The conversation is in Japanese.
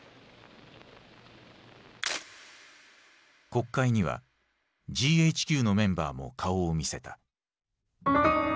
国会にはＧＨＱのメンバーも顔を見せた。